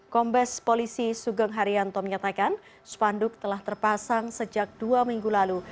kombes polisi sugeng haryanto menyatakan spanduk telah terpasang sejak dua minggu lalu